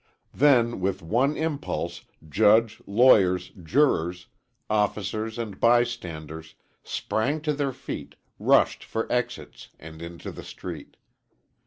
Then with one impulse judge, lawyers, jurors, officers and bystanders sprang to their feet, rushed for exits and into the street.